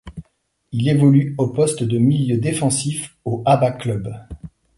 Il évolue au poste de milieu défensif au Abha Club.